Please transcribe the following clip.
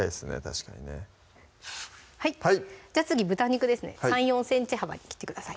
確かにねじゃあ次豚肉ですね３４ｃｍ幅に切ってください